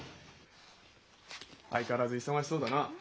相変わらず忙しそうだな。